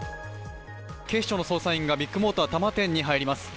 警視庁の捜査員がビッグモーター多摩店に入ります。